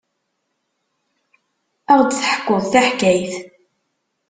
Ad aɣ-d-teḥkuḍ taḥkayt?